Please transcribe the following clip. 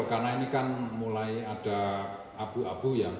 karena ini kan mulai ada abu abu ya